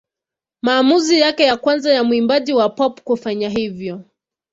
Maamuzi yake ya kwanza ya mwimbaji wa pop kufanya hivyo.